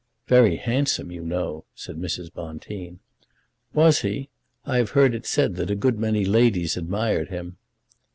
"Very handsome, you know," said Mrs. Bonteen. "Was he? I have heard it said that a good many ladies admired him."